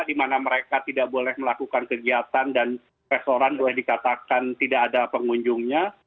di mana mereka tidak boleh melakukan kegiatan dan restoran boleh dikatakan tidak ada pengunjungnya